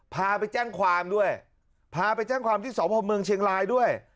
พาไปแจ้งความด้วยพาไปแจ้งความที่สพเมืองเชียงรายด้วย